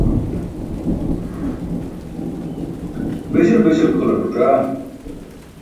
beśal beśal kʰolar ẓuc̣aa?